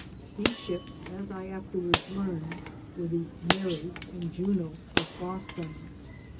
These ships, as I afterwards learned, were the Mary and Juno of Boston.